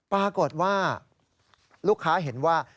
ปรากฏว่าลูกค้าเห็นว่า